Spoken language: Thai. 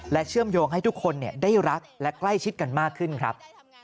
เชื่อมโยงให้ทุกคนได้รักและใกล้ชิดกันมากขึ้นครับ